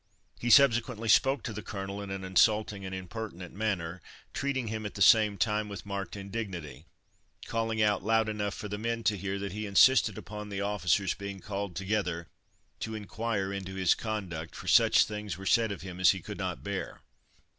He subsequently spoke to the Colonel in an insulting and impertinent manner, treating him at the same time with marked indignity calling out, loud enough for the men to hear, "that he insisted upon the officers being called together to inquire into his conduct, for such things were said of him as he could not bear."